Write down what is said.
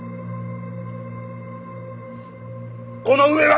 この上は！